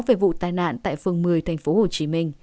về vụ tai nạn tại phường một mươi tp hcm